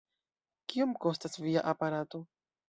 Kiom kostas via aparato?